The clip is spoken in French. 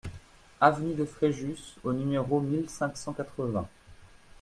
Avenue de Fréjus au numéro mille cinq cent quatre-vingts